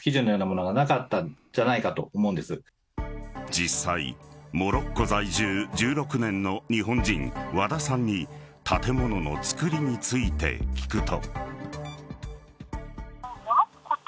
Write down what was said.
実際モロッコ在住１６年の日本人和田さんに建物の作りについて聞くと。